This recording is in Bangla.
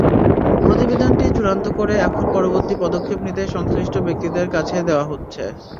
প্রতিবেদনটি চূড়ান্ত করে এখন পরবর্তী পদক্ষেপ নিতে সংশ্লিষ্ট ব্যক্তিদের কাছে দেওয়া হচ্ছে।